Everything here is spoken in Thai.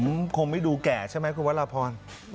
คุณคงไม่ดูแก่ใช่ไหมคุณวัตราพร